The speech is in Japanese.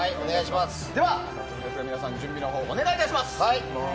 では早速皆さん、準備のほうお願いします。